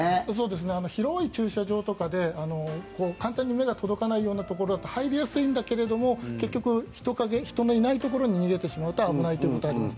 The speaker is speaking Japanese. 広い駐車場とかで簡単に目が届かないようなところだと入りやすいんだけども結局、人のいないところに逃げてしまうと危ないということがあります。